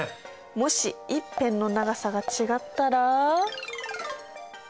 もし１辺の長さが違ったら。